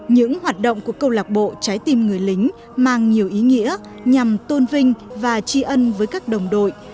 những hoạt động của câu lạc bộ trái tim người lính mang nhiều ý nghĩa nhằm tôn vinh và tri ân với các đồng đội